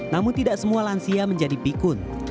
namun tidak semua lansia menjadi pikun